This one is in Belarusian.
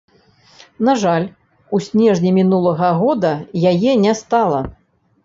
На жаль, у снежні мінулага года яе не стала.